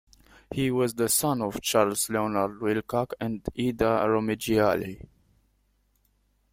He was the son of Charles Leonard Wilcock and Ida Romegialli.